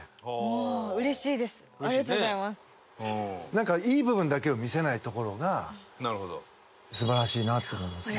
なんかいい部分だけを見せないところが素晴らしいなと思いますね。